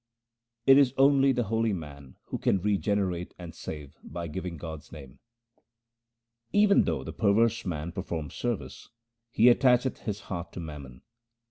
It is only the holy man who can regenerate and save by giving God's name :— Even though the perverse man perform service, he at tacheth his heart to mammon.